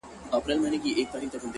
لكه ملا،